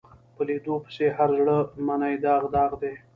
په لیدو پسې هر زړه منې داغ داغ دی